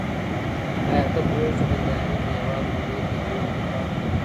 ایا ته پوهېږې چې بند امیر د هېواد لومړنی طبیعي ملي پارک دی؟